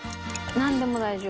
なんでも大丈夫。